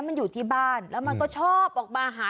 ก็คือเธอนี่มีความเชี่ยวชาญชำนาญ